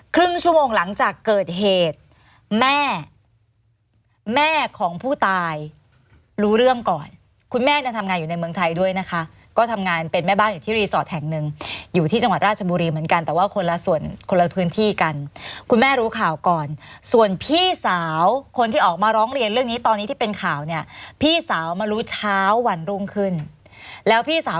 ครึ่งชั่วโมงหลังจากเกิดเหตุแม่แม่ของผู้ตายรู้เรื่องก่อนคุณแม่เนี่ยทำงานอยู่ในเมืองไทยด้วยนะคะก็ทำงานเป็นแม่บ้านอยู่ที่รีสอร์ทแห่งหนึ่งอยู่ที่จังหวัดราชบุรีเหมือนกันแต่ว่าคนละส่วนคนละพื้นที่กันคุณแม่รู้ข่าวก่อนส่วนพี่สาวคนที่ออกมาร้องเรียนเรื่องนี้ตอนนี้ที่เป็นข่าวเนี่ยพี่สาวมารู้เช้าวันรุ่งขึ้นแล้วพี่สาว